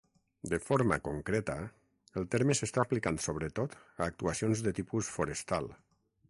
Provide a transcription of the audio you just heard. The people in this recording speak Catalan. De forma concreta, el terme s’està aplicant sobretot a actuacions de tipus forestal.